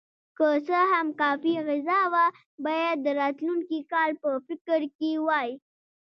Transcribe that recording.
که څه هم کافي غذا وه، باید د راتلونکي کال په فکر کې وای.